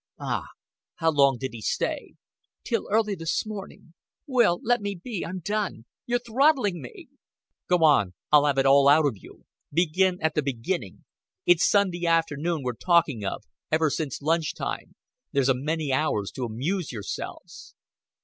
"Ah! How long did he stay?" "Till early this morning. Will, let me be I'm done. You're throttling me." "Go on. I'll 'aarve it all out of you. Begin at the beginning. It's Sunday afternoon we're talking of ever since lunch time. There's a many hours to amuse yourselves."